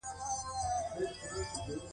که ګاونډي ته زیان ورسېږي، ته یې مرسته وکړه